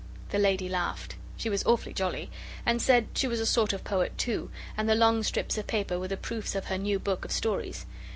The lady laughed she was awfully jolly and said she was a sort of poet, too, and the long strips of paper were the proofs of her new book of stories.